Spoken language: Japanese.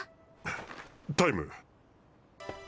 タイム！